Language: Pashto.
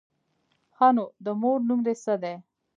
_ښه نو، د مور نوم دې څه دی؟